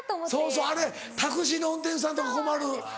そうそうあれタクシーの運転手さんとか困る。